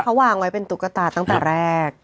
เขาวางไว้เป็นตุ๊กตาตั้งแต่แรก